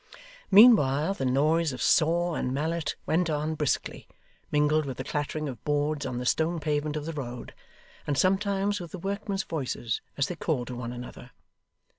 Meanwhile the noise of saw and mallet went on briskly, mingled with the clattering of boards on the stone pavement of the road, and sometimes with the workmen's voices as they called to one another.